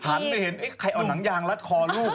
ถันไปเห็นเอ๊ะใครเอานังยางลัดคอลูบป่ะ